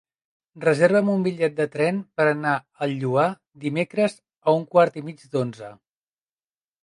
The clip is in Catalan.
Reserva'm un bitllet de tren per anar al Lloar dimecres a un quart i mig d'onze.